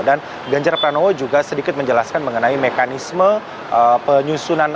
dan ganjar pranowo juga sedikit menjelaskan mengenai mekanisme penyusunan